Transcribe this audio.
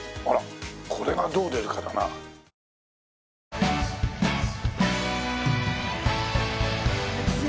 あらこれがどう出るかだな。